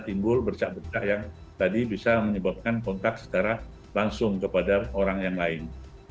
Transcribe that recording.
timbul bercak bercah yang tadi bisa menyebabkan kontak secara langsung kepada orang yang lain